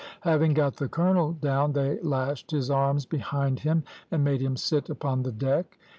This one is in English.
Having got the colonel down, they lashed his arms behind him and made him sit upon the deck.